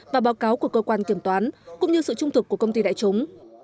và báo cáo của cơ quan kiểm toán cũng như sự trung thực của công ty đại chúng